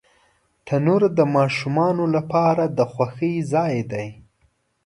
تنور د ماشومانو لپاره د خوښۍ ځای دی